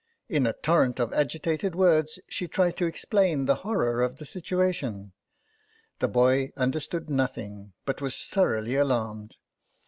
In a torrent of agitated words she tried to explain the horror of the situation. The boy understood nothing, but was thoroughly alarmed.